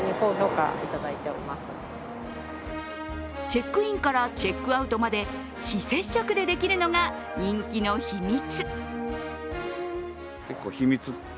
チェックインから、チェックアウトまで、非接触でできるのが人気の秘密。